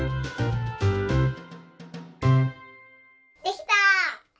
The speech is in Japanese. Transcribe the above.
できた！